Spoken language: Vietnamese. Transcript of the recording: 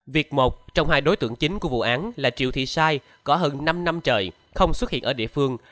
việc một trong hai đối tượng chính của vụ án là triệu thị sai có hơn năm năm trời không xuất hiện ở địa phương